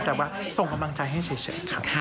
แต่ว่าส่งกำลังใจให้เฉยครับ